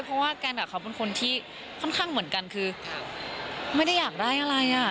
เพราะว่ากันแบบเขาเป็นคนที่ค่อนข้างเหมือนกันคือไม่ได้อยากได้อะไรอ่ะ